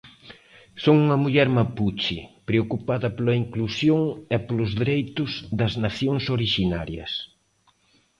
Son unha muller mapuche preocupada pola inclusión e polos dereitos das nacións orixinarias.